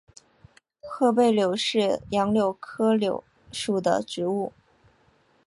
褐背柳是杨柳科柳属的植物。